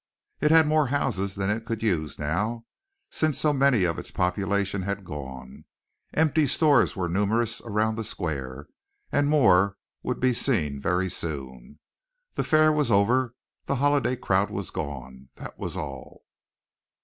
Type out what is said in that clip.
It had more houses than it could use now, since so many of its population had gone; empty stores were numerous around the square, and more would be seen very soon. The fair was over, the holiday crowd was gone. That was all.